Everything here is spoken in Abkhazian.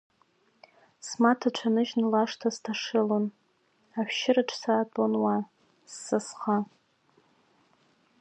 Смаҭацәа ныжьны лашҭа сҭашылон, ашәшьыраҿ саатәон уа, ссасха.